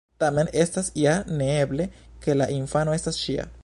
Tamen, estas ja neeble, ke la infano estas ŝia.